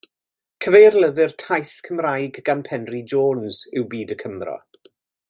Cyfeirlyfr taith Cymraeg gan Penri Jones yw Byd y Cymro.